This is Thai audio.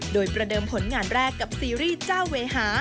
โดยประเดิมผลงานแรกกับซีรีส์เจ้าเวหา